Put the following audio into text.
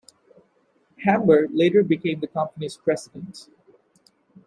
Hamber later became the company's President.